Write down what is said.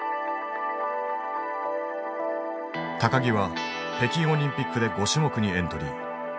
木は北京オリンピックで５種目にエントリー。